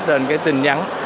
trên tin nhắn